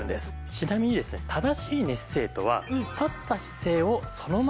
ちなみにですね正しい寝姿勢とは。